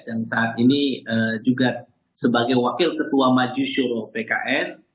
dan saat ini juga sebagai wakil ketua maju syuruh pks